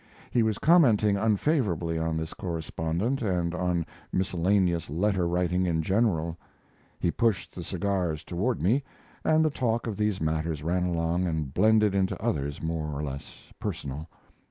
He was commenting unfavorably on this correspondent and on miscellaneous letter writing in general. He pushed the cigars toward me, and the talk of these matters ran along and blended into others more or less personal.